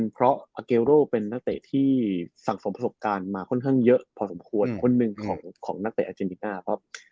เพราะอาเกโรเป็นนักเตะที่สั่งสมประสบการณ์มาค่อนข้างเยอะพอสมควรคนหนึ่งของนักเตะอาเจนติน่าเพราะ